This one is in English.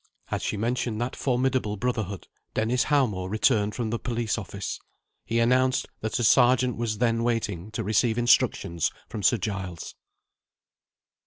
As she mentioned that formidable brotherhood, Dennis Howmore returned from the police office. He announced that a Sergeant was then waiting to receive instructions from Sir Giles.